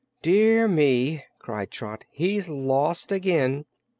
"Dear me!" cried Trot. "He's lost again."